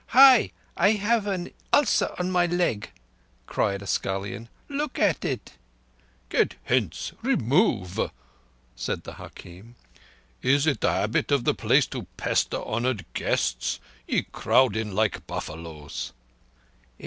"Hi! I have an ulcer on my leg," cried a scullion. "Look at it!" "Get hence! Remove!" said the hakim. "Is it the habit of the place to pester honoured guests? Ye crowd in like buffaloes."